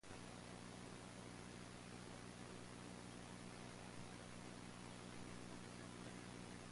The Roman Catholic bishop's seat is located at Christ the King Cathedral, Mullingar.